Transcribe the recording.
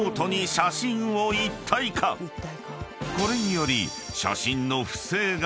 ［これにより］